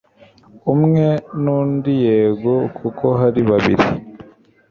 Umwe nundi yego kuko hari babiri